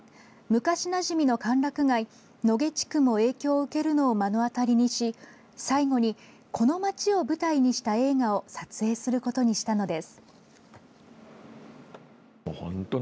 昔なじみの歓楽街・野毛地区も影響を受けるのを目の当たりにし最後にこの町を舞台にした映画を撮影することにしたのです。